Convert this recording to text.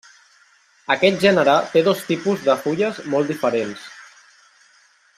Aquest gènere té dos tipus de fulles molt diferents.